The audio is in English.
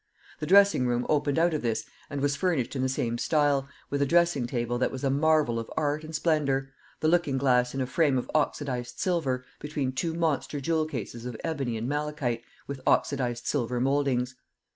The dressing room opened out of this and was furnished in the same style, with a dressing table that was a marvel of art and splendour, the looking glass in a frame of oxydised silver, between two monster jewel cases of ebony and malachite with oxydised silver mouldings.